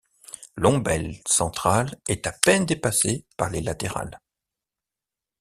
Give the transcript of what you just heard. L'ombelle centrale est à peine dépassée par les latérales.